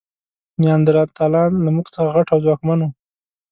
نیاندرتالان له موږ څخه غټ او ځواکمن وو.